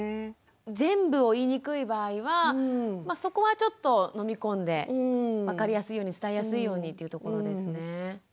全部を言いにくい場合はそこはちょっとのみ込んで分かりやすいように伝えやすいようにというところですね。